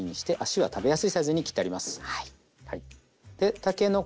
はい。